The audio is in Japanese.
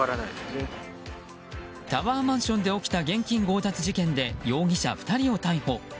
タワーマンションで起きた現金強奪事件で容疑者２人を逮捕。